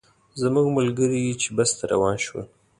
زموږ ملګري چې بس ته روان شول.